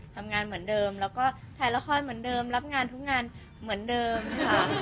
ทำงานเหมือนเดิมแล้วก็ถ่ายละครเหมือนเดิมรับงานทุกงานเหมือนเดิมค่ะ